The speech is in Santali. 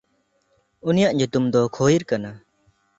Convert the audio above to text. ᱩᱱᱤᱭᱟᱜ ᱧᱩᱛᱩᱢ ᱫᱚ ᱠᱷᱚᱤᱨ ᱠᱟᱱᱟ᱾